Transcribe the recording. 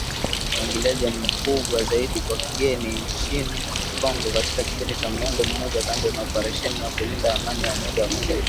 Uingiliaji mkubwa zaidi wa kigeni nchini Kongo katika kipindi cha muongo mmoja kando na operesheni ya kulinda amani ya Umoja wa mataifa